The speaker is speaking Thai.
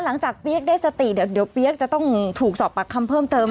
หลังจากเปี๊ยกได้สติเดี๋ยวเดี๋ยวเปี๊ยกจะต้องถูกสอบปักคำเพิ่มเติม